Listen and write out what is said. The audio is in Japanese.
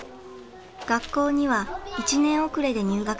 学校には１年遅れで入学しました。